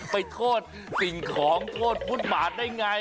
ไปโทษสิ่งของโทษฟุตบาทได้ไง